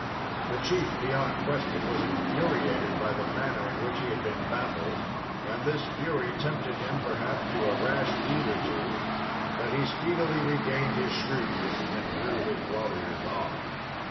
The chief, beyond question, was infuriated by the manner in which he had been baffled, and this fury tempted him, perhaps, to a rash deed or two; but he speedily regained his shrewdness and drew his warriors off.